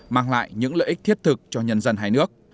mang lại những lợi ích thiết thực cho nhân dân hai nước